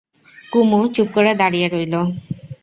কুমু চুপ করে দাঁড়িয়ে রইল।